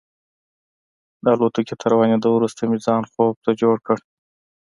د الوتکې تر روانېدو وروسته مې ځان خوب ته جوړ کړ.